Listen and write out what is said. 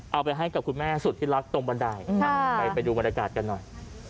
เอาไปให้กับคุณแม่สุดที่รักตรงบันไดไปดูบรรยากาศกันหน่อย